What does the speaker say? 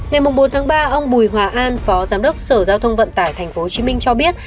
ngày bốn ba ông bùi hòa an phó giám đốc sở giao thông vận tải tp hcm cho biết